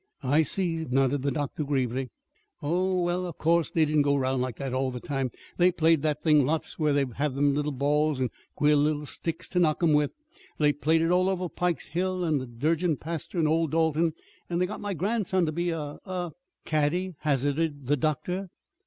"I see," nodded the doctor gravely. "Oh, well, of course they didn't go 'round like that all the time. They played that thing lots where they have them little balls and queer looking sticks to knock 'em with. They played it all over Pike's Hill and the Durgin pasture in Old Dalton; and they got my grandson to be a a " "Caddie?" hazarded the doctor.